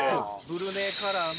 ブルネイカラーの。